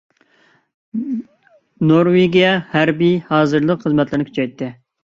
نورۋېگىيە ھەربىي ھازىرلىق خىزمەتلىرىنى كۈچەيتتى.